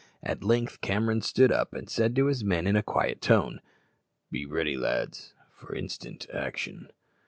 At length Cameron stood up, and said to his men in a quiet tone, "Be ready, lads, for instant action.